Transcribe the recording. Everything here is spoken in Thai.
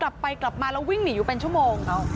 กลับไปกลับมาแล้ววิ่งหนีอยู่เป็นชั่วโมง